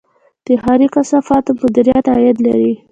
د ښاري کثافاتو مدیریت عاید لري